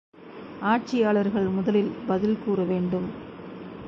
ஆட்சியாளர்கள் முதலில் பதில் கூறவேண்டும்.